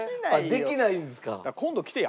できないんですか？